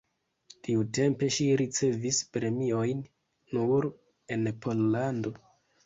Tiutempe ŝi ricevis premiojn nur en Pollando.